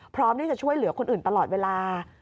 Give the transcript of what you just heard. พร้อมที่จะช่วยเหลือคนอื่นตลอดเวลา